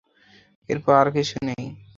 এর পর আর কিছু নেই।